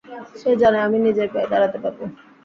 সে জানে আমি নিজের পায়ে দাঁড়াতে পারব।